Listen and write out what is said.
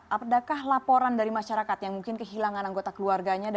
apakah laporan dari masyarakat yang mungkin kehilangan anggota keluarganya